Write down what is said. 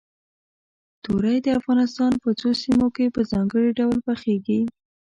تورۍ د افغانستان په څو سیمو کې په ځانګړي ډول پخېږي.